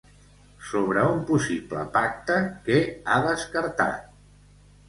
Sobre un possible pacte, què ha descartat?